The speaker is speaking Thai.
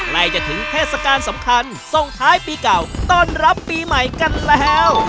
ใกล้จะถึงเทศกาลสำคัญส่งท้ายปีเก่าต้อนรับปีใหม่กันแล้ว